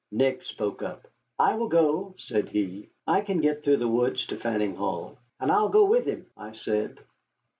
Nick spoke up: "I will go," said he; "I can get through the woods to Fanning Hall " "And I will go with him," I said.